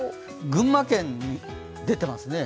群馬県に出ていますね。